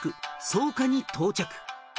草加に到着